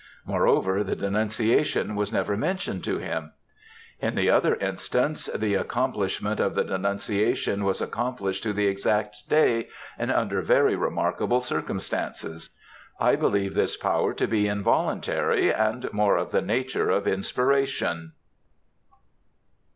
Moreover, the denunciation was never mentioned to him. "In the other instance, the accomplishment of the denunciation was accomplished to the exact day, and under very remarkable circumstances. I believe this power to be involuntary, and more of the nature of inspiration."